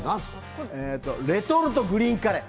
レトルトグリーンカレー